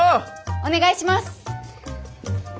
お願いします！